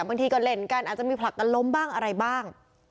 บางทีก็เล่นกันอาจจะมีผลักกันล้มบ้างอะไรบ้าง